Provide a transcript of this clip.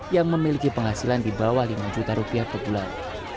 yang memiliki penghasilan di bawah rp lima per bulan